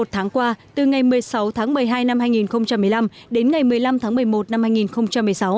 một tháng qua từ ngày một mươi sáu tháng một mươi hai năm hai nghìn một mươi năm đến ngày một mươi năm tháng một mươi một năm hai nghìn một mươi sáu